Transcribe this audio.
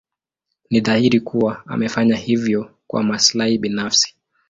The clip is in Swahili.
Ni dhahiri kuwa amefanya hivyo kwa maslahi binafsi.